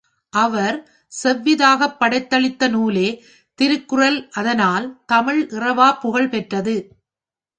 அவர் செவ்விதாகப் படைத்தளித்த நூலே திருக்குறள் அதனால், தமிழ் இறவாப் புகழ்பெற்றது.